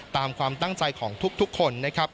ตามความตั้งใจของทุกคน